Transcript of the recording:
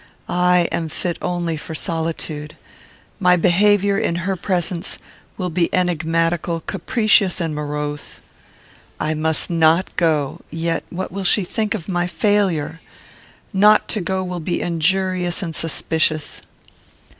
I am fit only for solitude. My behaviour, in her presence, will be enigmatical, capricious, and morose. I must not go: yet what will she think of my failure? Not to go will be injurious and suspicious."